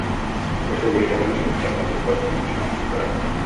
শেষের গুলিটা করল শুয়ে থাকা লাশের ওপর মৃত্যু সুনিশ্চিত করার জন্য।